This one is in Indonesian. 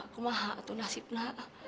kumaha atunah sipna